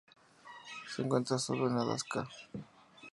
Se encuentra sólo en Alaska.